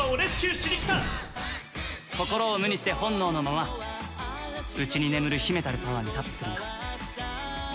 心を無にして本能のまま内に眠る秘めたるパワーにタップするんだ。